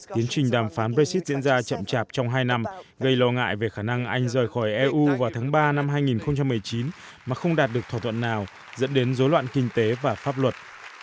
tiến trình đàm phán brexit diễn ra chậm chạp trong hai năm gây lo ngại về khả năng anh rời khỏi eu vào tháng ba năm hai nghìn một mươi chín mà không đạt được thỏa thuận nào dẫn đến dối loạn kinh tế và pháp luật